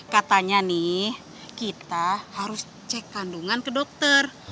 katanya nih kita harus cek kandungan ke dokter